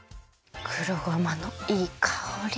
黒ごまのいいかおり。